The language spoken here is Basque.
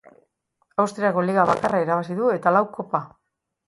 Austriako liga bakarra irabazi du eta lau kopa.